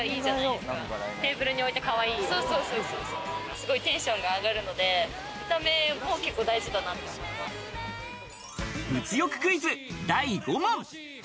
すごいテンションが上がるので、見た目も物欲クイズ第５問。